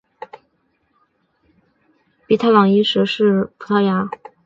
比塔朗伊什是葡萄牙波尔图区的一个堂区。